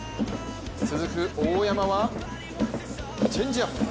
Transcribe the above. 続く大山はチェンジアップ。